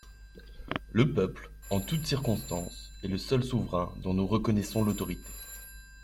Le peuple, en toute circonstance, est le seul souverain dont nous reconnaissons l’autorité.